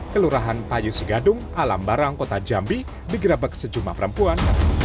kelurahan payu sigadung alambarang kota jambi digerabak sejumlah perempuan